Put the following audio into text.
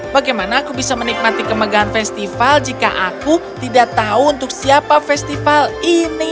bagaimana aku bisa menikmati kemegahan festival jika aku tidak tahu untuk siapa festival ini